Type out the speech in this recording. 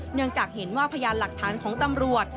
เนื่องจากเห็นว่าพยานหลักฐานของตำรวจ